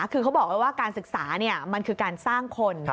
คือเขาบอกไว้ว่าการศึกษามันคือการสร้างคน